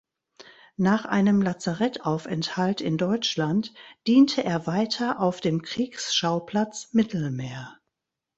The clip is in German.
Nach einem Lazarettaufenthalt in Deutschland diente er weiter auf dem Kriegsschauplatz Mittelmeer.